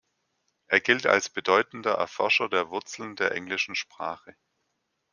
Er gilt als bedeutender Erforscher der Wurzeln der englischen Sprache.